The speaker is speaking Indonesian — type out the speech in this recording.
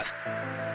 itu semua lho